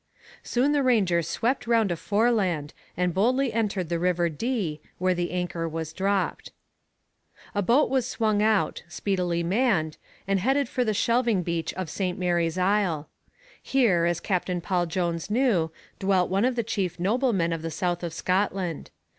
Soon the Ranger swept round a foreland and boldly entered the river Dee, where the anchor was dropped. A boat was swung out, speedily manned, and headed for the shelving beach of St Mary's Isle. Here, as Captain Paul Jones knew, dwelt one of the chief noblemen of the south of Scotland.